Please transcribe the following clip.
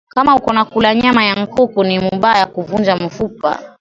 Kama uko na kula nyama ya nkuku ni mubaya kuvunja mufupa